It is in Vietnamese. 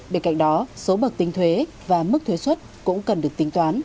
bên cạnh đó số bậc tính thuế và mức thuế xuất cũng cần được tính toán